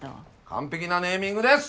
完璧なネーミングです！